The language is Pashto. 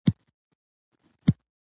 ژوند د وجدان له ارام سره ارزښتمن کېږي.